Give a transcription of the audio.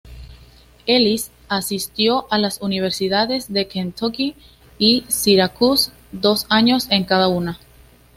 Ellis asistió a las universidades de Kentucky y Syracuse, dos años en cada una.